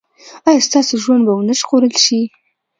ایا ستاسو ژوند به و نه ژغورل شي؟